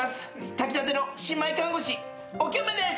炊きたての新米看護師おきょめです！